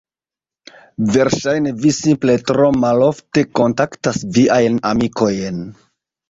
Verŝajne vi simple tro malofte kontaktas viajn amikojn.